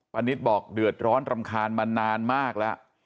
นิตบอกเดือดร้อนรำคาญมานานมากแล้ว